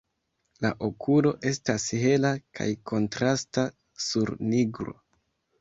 La okulo estas hela kaj kontrasta sur nigro.